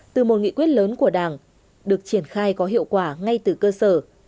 từ một nghị quyết lớn của đảng được triển khai có hiệu quả ngay từ cơ sở